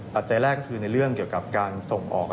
ปัจจัยแรกก็คือในเรื่องเกี่ยวกับการส่งออก